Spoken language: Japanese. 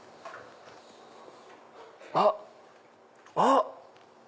あっ⁉あっ！